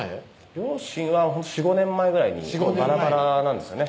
両親は４５年前ぐらいにバラバラなんですよね